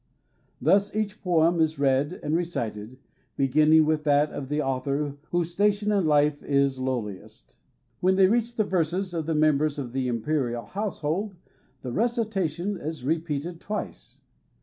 Thus each poem is read and recited, beginning with that of the au thor whose station in life is lowliest. When they reach the verses of mem bers of the imperial household, the recitation is repeated twice.